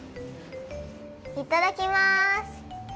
いただきます！